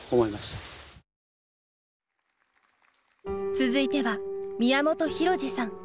続いては宮本浩次さん。